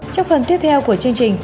trong phần tiếp theo của chương trình